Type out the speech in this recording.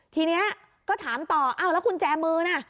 ทีนี้ก็ถามต่ออ้าวแล้วกุญแจมือน่ะ